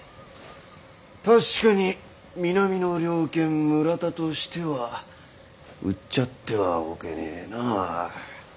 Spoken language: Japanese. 確かに南の猟犬村田としてはうっちゃってはおけねえな。